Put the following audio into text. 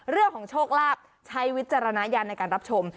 เรื่องของโชคลาภใช้วิจารณญาณในการรับชม